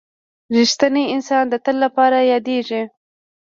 • رښتینی انسان د تل لپاره یادېږي.